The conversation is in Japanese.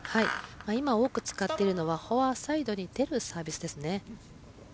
今、多く使ってるのはフォアサイドに出るサービスです。